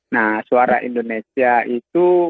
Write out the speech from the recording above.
nah suara indonesia itu